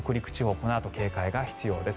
このあと警戒が必要です。